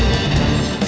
lo sudah bisa berhenti